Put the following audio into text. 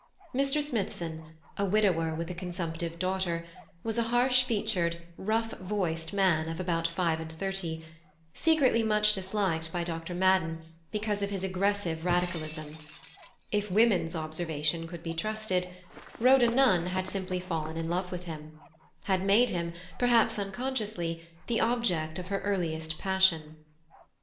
Mr. Smithson, a widower with a consumptive daughter, was a harsh featured, rough voiced man of about five and thirty, secretly much disliked by Dr. Madden because of his aggressive radicalism; if women's observation could be trusted, Rhoda Nunn had simply fallen in love with him, had made him, perhaps unconsciously, the object of her earliest passion.